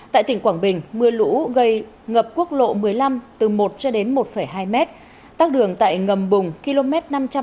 tại tỉnh quảng bình mưa lũ gây ngập quốc lộ một mươi năm từ một cho đến một hai mét tắc đường tại ngầm bùng km năm trăm sáu mươi hai hai trăm linh